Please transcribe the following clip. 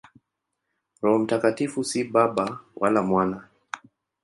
Roho Mtakatifu si Baba wala Mwana.